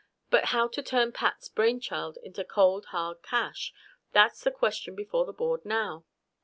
But how to turn Pat's brainchild into cold, hard cash that's the question before the board now.